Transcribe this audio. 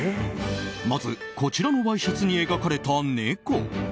まず、こちらのワイシャツに描かれた猫。